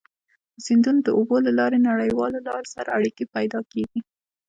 د سیندونو د اوبو له لارې نړیوالو لارو سره اړيکي پيدا کیږي.